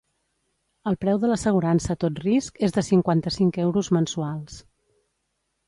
El preu de l'assegurança a tot risc és de cinquanta-cinc euros mensuals.